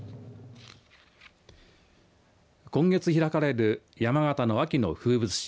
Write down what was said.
今月開かれる山形の秋の風物詩